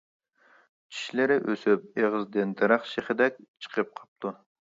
چىشلىرى ئۆسۈپ، ئېغىزىدىن دەرەخ شېخىدەك چىقىپ قاپتۇ.